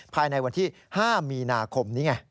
ภายในวันที่๕มีนาคมนี้ไง